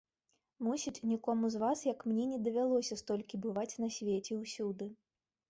Мусіць, нікому з вас, як мне, не давялося столькі бываць на свеце ўсюды.